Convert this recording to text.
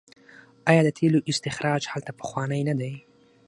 آیا د تیلو استخراج هلته پخوانی نه دی؟